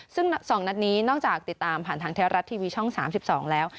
ซึ่ง๒นัดนี้นอกจากติดตามผ่านทางไทยรัฐทีวีช่อง๓๒แล้ว